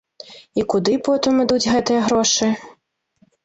І куды потым ідуць гэтыя грошы?